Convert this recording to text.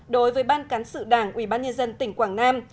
đối với ban cán sự đảng ubnd tỉnh quảng nam